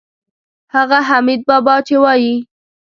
هغه حمیدبابا چې وایي.